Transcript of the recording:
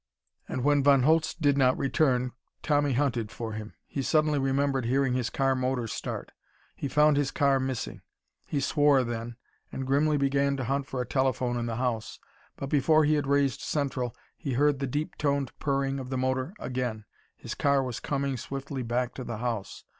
And when Von Holtz did not return, Tommy hunted for him. He suddenly remembered hearing his car motor start. He found his car missing. He swore, then, and grimly began to hunt for a telephone in the house. But before he had raised central he heard the deep toned purring of the motor again. His car was coming swiftly back to the house.